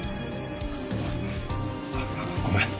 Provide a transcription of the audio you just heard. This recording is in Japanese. あっごめん。